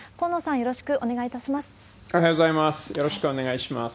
よろしくお願いします。